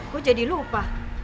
gue jadi lupa